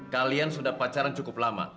kalian sudah pacaran cukup lama